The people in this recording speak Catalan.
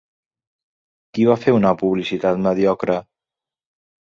Qui va fer una publicitat mediocre?